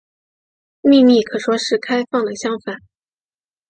秘密可说是开放的相反。